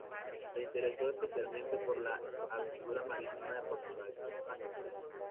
Se interesó especialmente por la aventura marítima de Portugal y España.